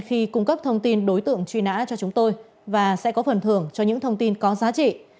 khi cung cấp thông tin đối tượng truy nã cho chúng tôi và sẽ có phần thưởng cho những thông tin có giá trị